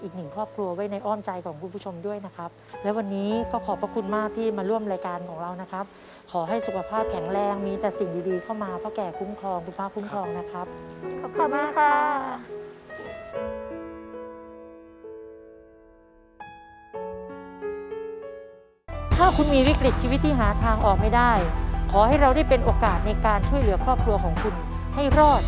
เล็กอีกหนึ่งครอบครัวไว้ในอ้อมใจของคุณผู้ชมด้วยนะครับและวันนี้ก็ขอบพระคุณมากที่มาร่วมรายการของเรานะครับขอให้สุขภาพแข็งแรงมีแต่สิ่งดีเข้ามาเพราะแกคุ้มครองคุณพ่อคุ้มครองนะครับขอบคุณค่ะถ้าคุณมีวิกฤตชีวิตที่หาทางออกไม่ได้ขอให้เราได้เป็นโอกาสในการช่วยเหลือครอบครัวของคุณให้รอด